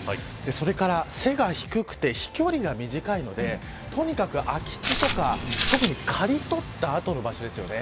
それと背が低くて飛距離が短いので、とにかく空き地とか特に刈り取った後の場所ですよね。